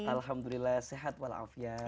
alhamdulillah sehat walafiat